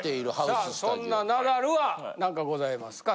さあそんなナダルは何かございますか？